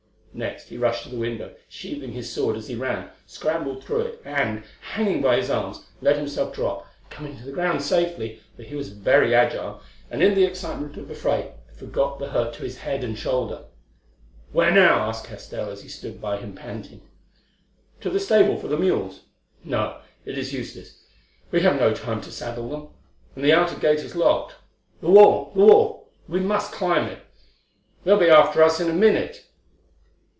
Next he rushed to the window, sheathing his sword as he ran, scrambled through it, and, hanging by his arms, let himself drop, coming to the ground safely, for he was very agile, and in the excitement of the fray forgot the hurt to his head and shoulder. "Where now?" asked Castell, as he stood by him panting. "To the stable for the mules. No, it is useless; we have no time to saddle them, and the outer gate is locked. The wall—the wall—we must climb it! They will be after us in a minute."